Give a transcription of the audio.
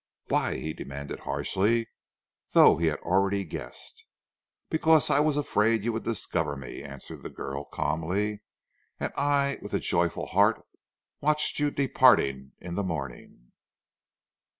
"Why?" he demanded harshly, though he had already guessed. "Because I was afraid you would discover me," answered the girl calmly. "And I, with a joyful heart, watched you departing in the morning."